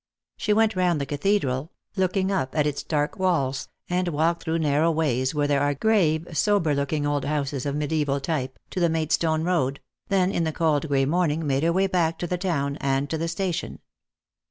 She went round the cathedral, looking up at its dark walla, and walked through narrow ways where there are grave sober looking old houses of mediaeval type, to the Maidstone road, then in the cold gray morning made her way back to the town and to the station.